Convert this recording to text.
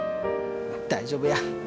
大丈夫や。